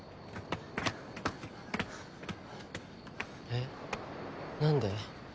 えっ何で？